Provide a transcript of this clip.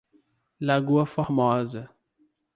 Lagoa Formosa